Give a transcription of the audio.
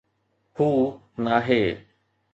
هو، ناهي.